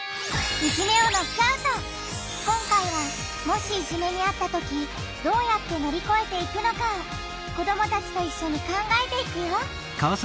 今回はもしいじめにあったときどうやって乗り越えていくのかを子どもたちといっしょに考えていくよ